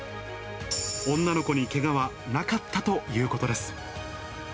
女の子にけがはなかったということです。